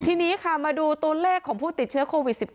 ทีนี้ค่ะมาดูตัวเลขของผู้ติดเชื้อโควิด๑๙